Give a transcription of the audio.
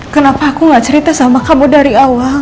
kenapa aku gak cerita sama kamu dari awal